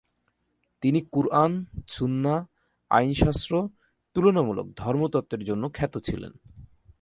তিনি কুরআন, সুন্নাহ, আইনশাস্ত্র, তুলনামূলক ধর্মতত্ত্বের জন্য খ্যাত ছিলেন।